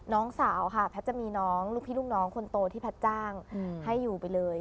น้องสาวค่ะแพทย์จะมีน้องลูกพี่ลูกน้องคนโตที่แพทย์จ้างให้อยู่ไปเลย